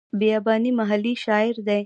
بیاباني محلي شاعر دی.